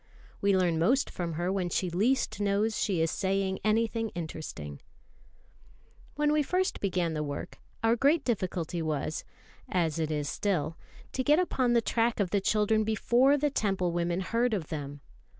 We learn most from her when she least knows she is saying anything interesting. When first we began the work, our great difficulty was, as it is still, to get upon the track of the children before the Temple women heard of them.